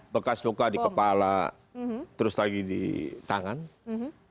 bekas luka di kepala terus lagi di tangan